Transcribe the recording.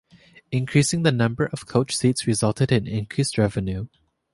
Increasing the number of coach seats resulted in increased revenue.